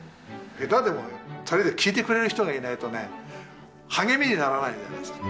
下手でもねとりあえず聴いてくれる人がいないとね励みにならないじゃないですか。